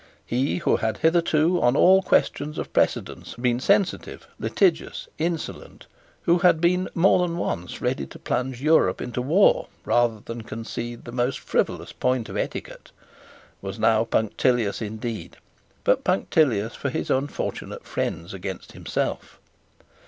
He who had hitherto, on all questions of precedence, been sensitive, litigious, insolent, who had been more than once ready to plunge Europe into war rather than concede the most frivolous point of etiquette, was now punctilious indeed, but punctilious for his unfortunate friends against himself.